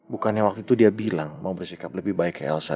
bukannya waktu itu dia bilang mau bersikap lebih baik ke elsa